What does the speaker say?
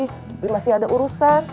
tapi masih ada urusan